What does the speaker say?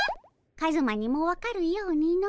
カズマにも分かるようにの。